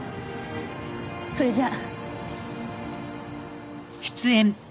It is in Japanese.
それじゃあ。